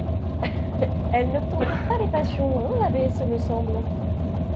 Elles n'obtempèrent pas les passions, hein l'abbé, ce me semble?